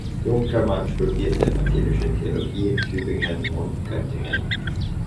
Junkermann studierte Evangelische Theologie in Tübingen und Göttingen.